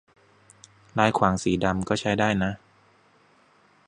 ลายขวางสีดำ ก็ใช้ได้นะ